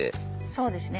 そうですね